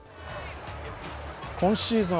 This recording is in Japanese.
今シーズン